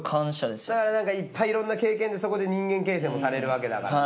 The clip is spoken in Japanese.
だからいっぱいいろんな経験でそこで人間形成もされるわけだからね。